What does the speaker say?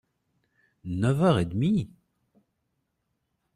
Neuf heures et demie !…